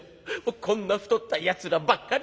こんな太ったやつらばっかり。